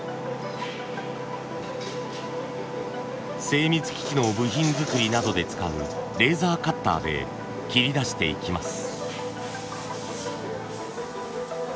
精密機器の部品作りなどで使うレーザーカッターで切り出していきます。